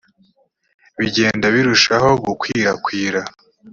bigenda birushaho gukwirakwira